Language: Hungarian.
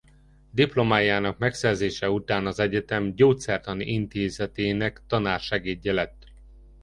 Diplomájának megszerzése után az egyetem Gyógyszertani Intézetének tanársegédje lett.